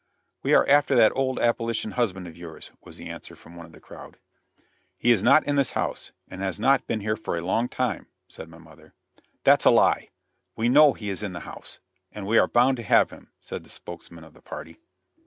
"We are after that old abolition husband of yours," was the answer from one of the crowd. "He is not in this house, and has not been here for a long time," said my mother. "That's a lie! We know he is in the house, and we are bound to have him," said the spokesman of the party.